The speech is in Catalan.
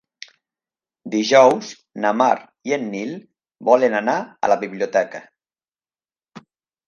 Dijous na Mar i en Nil volen anar a la biblioteca.